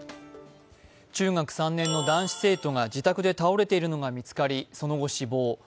中学３年の男子生徒が自宅で倒れているのが見つかりその後、死亡。